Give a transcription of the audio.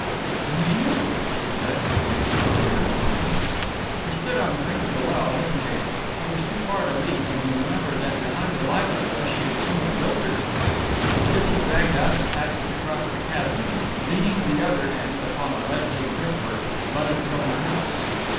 "It is you," she said, with extraordinary calm. He stood on the brink of the well hesitating. It was too far to leap and he remembered that behind the lilac bush he had seen a builder's plank. This he dragged out and passed it across the chasm, leaning the other end upon a ledge of brickwork which butted from the house.